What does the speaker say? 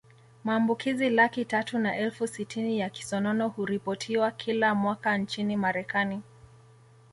Maambukizi laki tatu na elfu sitini ya kisonono huripotiwa kila mwaka nchini Marekani